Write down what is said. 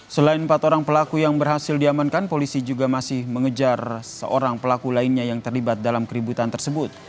selain empat orang pelaku yang berhasil diamankan polisi juga masih mengejar seorang pelaku lainnya yang terlibat dalam keributan tersebut